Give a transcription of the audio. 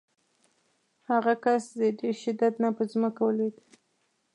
هغه کس د ډېر شدت نه په ځمکه ولویېد.